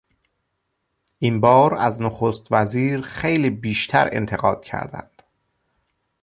این بار از نخست وزیر خیلی بیشتر انتقاد کردند.